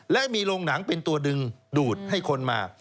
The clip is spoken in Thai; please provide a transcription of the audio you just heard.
และมีโรงหนังเป็นตัวดึงดูดให้คนมา